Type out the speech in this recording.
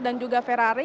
dan juga ferrari